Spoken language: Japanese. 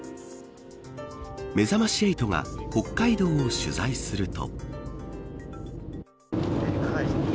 めざまし８が北海道を取材すると。